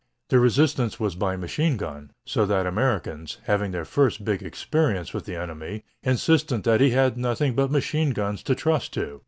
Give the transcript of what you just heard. The resistance was by machine gun, so that Americans, having their first big experience with the enemy, insisted that he had nothing but machine guns to trust to.